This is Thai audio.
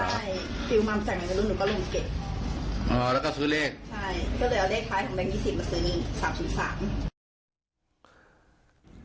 ใช่ก็เลยเอาเลขคล้ายของแบงค์๒๐มาซื้อนี้๓ถึง๓